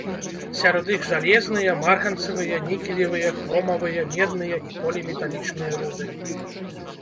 Сярод іх жалезныя, марганцавыя, нікелевыя, хромавыя, медныя і поліметалічныя руды.